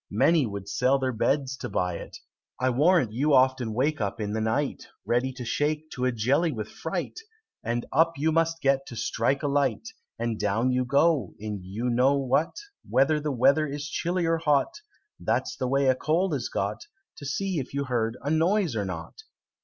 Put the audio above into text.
Many would sell their beds to buy it. I warrant you often wake up in the night, Ready to shake to a jelly with fright, And up you must get to strike a light, And down you go, in you know what, Whether the weather is chilly or hot, That's the way a cold is got, To see if you heard a noise or not!"